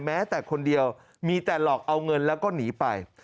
แม้แต่คนเดียวมีแต่หลอกเอาเงินแล้วก็หนีไป